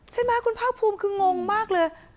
ใช่ไหมคุณภาคภูมิคืองงมากเลย